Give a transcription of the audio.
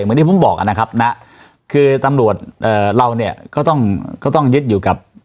เหมือนที่ผมบอกนะครับนะคือตำรวจเอ่อเราเนี่ยก็ต้องก็ต้องยึดอยู่กับ